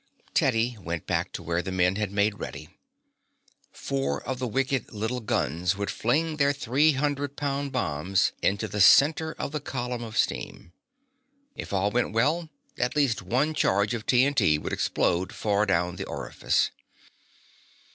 Teddy went back to where the men had made ready. Four of the wicked little guns would fling their three hundred pound bombs into the center of the column of steam. If all went well, at least one charge of T.N.T. would explode far down the orifice.